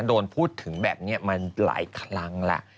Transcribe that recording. โดนพูดถึงแบบนี้มาหลายครั้งแล้ว